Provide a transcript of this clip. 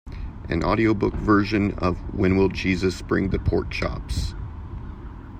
An audiobook version of When Will Jesus Bring the Pork Chops?